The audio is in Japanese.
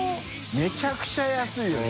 めちゃくちゃ安いよね。